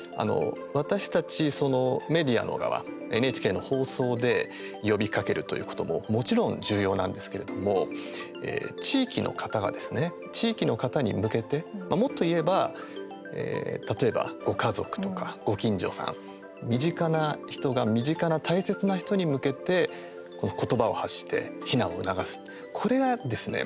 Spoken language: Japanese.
私たちメディアの側、ＮＨＫの放送で呼びかけるということももちろん重要なんですけれども地域の方がですね地域の方に向けて、もっと言えば例えば、ご家族とかご近所さん身近な人が身近な大切な人に向けて言葉を発して避難を促すこれがですね